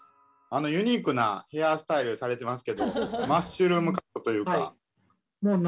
ユニークなヘアスタイルされてますけどマッシュルームカットというか。